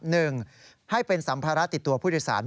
หนึ่งให้เป็นสัมภาระติดตัวผู้โดยสาร